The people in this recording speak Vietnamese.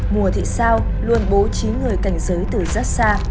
mùa thị sao luôn bố trí người cảnh giới từ rất xa